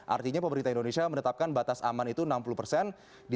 artinya pemerintah indonesia menetapkan batas aman itu enam puluh persen di tiga puluh persen ini